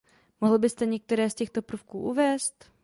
Mohl byste některé z těchto prvků uvést?